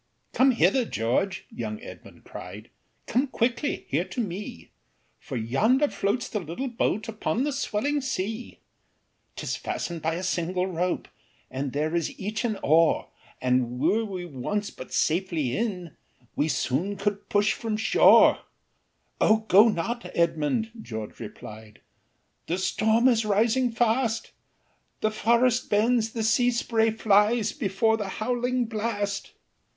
"Come hither, George," young Edmund cried, "Come quickly here to me, For yonder floats the little boat, Upon the swelling sea. "'Tis fasten'd by a single rope, And there is each an oar, And were we once but safely in, We soon could push from shore." "Oh! go not, Edmund," George replied, "The storm is rising fast, The forest bends, the sea spray flies, Before the howling blast."